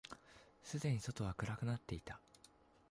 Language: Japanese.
すでに外は暗くなっていた。